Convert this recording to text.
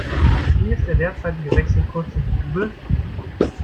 Wie ist der derzeitige Wechselkurs zum Rubel?